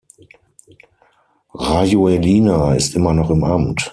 Rajoelina ist immer noch im Amt.